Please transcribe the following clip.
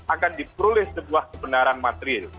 akan diperoleh sebuah kebenaran material